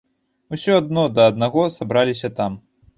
Усё адно да аднаго сабралася там.